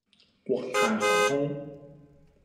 國泰航空